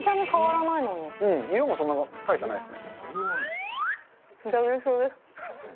色もそんな大差ないですね。